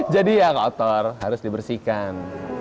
jadi ya kotor harus dibersihkan